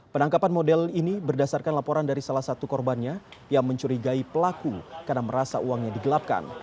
penangkapan model ini berdasarkan laporan dari salah satu korbannya yang mencurigai pelaku karena merasa uangnya digelapkan